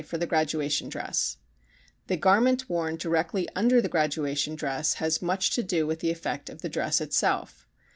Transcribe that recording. Lingerie for the Graduation Dress The garment worn directly under the graduation dress has much to do with the effect of the dress itself.